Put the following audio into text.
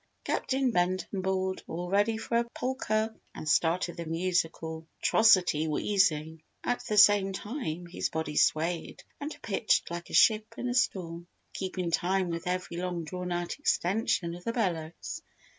Captain Benton bawled, "All ready for a polker," and started the musical atrocity wheezing. At the same time his body swayed and pitched like a ship in a storm, keeping time with every long drawn out extension of the bellows.